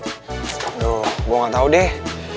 aduh gue gak tau deh